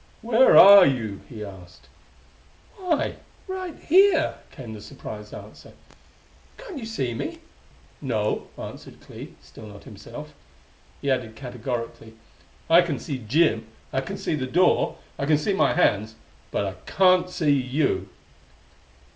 "Where are you?" he asked. "Why right here!" came the surprised answer. "Can't you see me?" "No," answered Clee, still not himself. He added categorically: "I can see Jim. I can see the door. I can see my hands, but I can't see you."